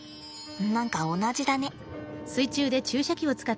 何か同じだね。